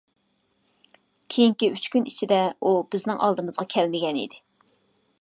كېيىنكى ئۈچ كۈن ئىچىدە ئۇ بىزنىڭ ئالدىمىزغا كەلمىگەن ئىدى.